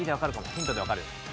ヒントでわかる。